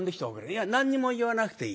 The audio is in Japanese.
いや何にも言わなくていい。